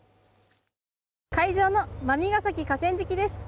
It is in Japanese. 会場の馬見ヶ崎河川敷です。